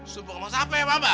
sumpah sama siapa ya mbak